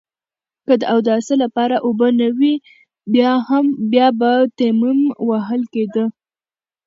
که د اوداسه لپاره اوبه نه وي بيا به تيمم وهل کېده.